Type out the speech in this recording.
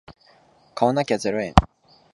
買わなきゃゼロ円